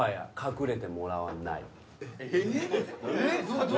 えっ？